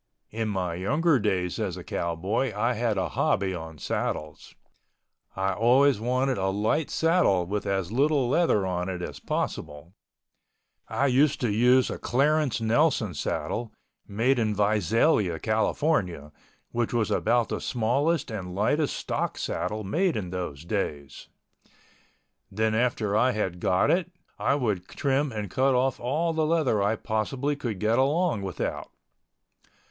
In my younger days as a cowboy I had a hobby on saddles. I always wanted a light saddle with as little leather on it as possible. I used to use a Clarence Nelson saddle, made in Visalia, California, which was about the smallest and lightest stock saddle made in those days. Then after I had got it, I would trim and cut off all the leather I possibly could get along without.